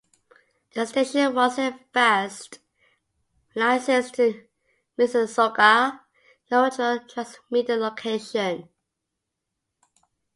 The station was, at first, licensed to Mississauga, the original transmitter location.